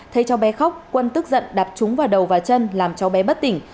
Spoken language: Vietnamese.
thấy cháu bé khóc quân tức giận đạp trúng vào đầu và chân làm cháu bé bất tỉnh